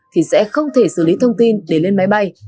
thì sẽ không thể xử lý thông tin để lên máy bay